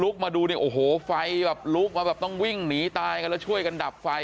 ลุคมาดูโอคะไฟแบบลุมาต้องวิ่งนี่ตายกับแล้วช่วยกันดับไฟ